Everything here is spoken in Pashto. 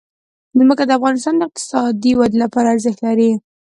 ځمکه د افغانستان د اقتصادي ودې لپاره ارزښت لري.